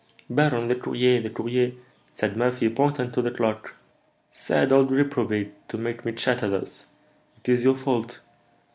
'" "Baron, the courier! the courier!" said Murphy, pointing to the clock. "Sad old reprobate, to make me chatter thus! It is your fault.